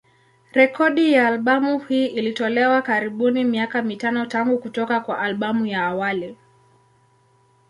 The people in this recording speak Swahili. Rekodi ya albamu hii ilitolewa karibuni miaka mitano tangu kutoka kwa albamu ya awali.